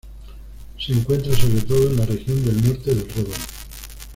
Se encuentra sobre todo en la región del norte del Ródano.